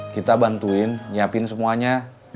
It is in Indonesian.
kita bantuin nyiapin semuanya